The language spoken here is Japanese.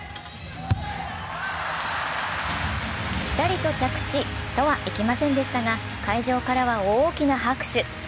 ピタリと着地とはいきませんでしたが会場からは大きな拍手。